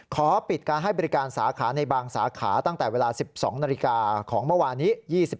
ขอปิดการให้บริการสาขาในบางสาขาตั้งแต่เวลา๑๒นาฬิกาของเมื่อวานนี้